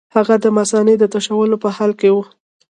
هغه د مثانې د تشولو په حال کې وو.